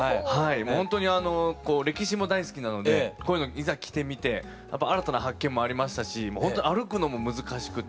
もうほんとに歴史も大好きなのでこういうのいざ着てみてやっぱ新たな発見もありましたしもうほんと歩くのも難しくて。